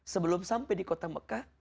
sebelum sampai di kota mekah